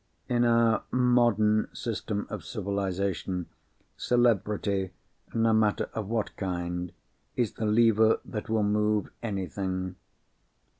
In our modern system of civilisation, celebrity (no matter of what kind) is the lever that will move anything.